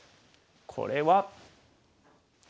これは。